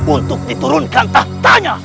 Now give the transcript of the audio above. untuk menurunkan tahtanya